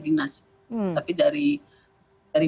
dinas tapi dari